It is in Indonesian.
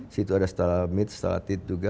situ ada setelah